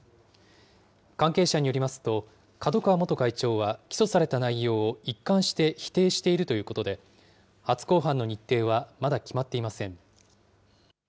関係者によりますと、角川元会長は、起訴された内容を一貫して否定しているということで、初公判の日程はまだ決まっていません。